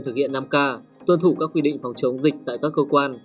thực hiện năm k tuân thủ các quy định phòng chống dịch tại các cơ quan